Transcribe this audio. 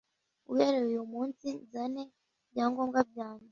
uhereye uyu munsi nzane ibyangombwa byanjye